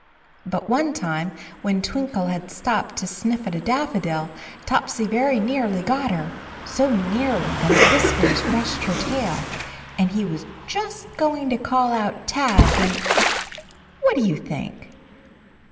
But one time, when Twinkle had stopped to sniff at a daffodil, Topsy very nearly got her, so nearly that his whiskers brushed her tail, and he was just going to 66 CHARLIE call out "Tag" when — what do you think?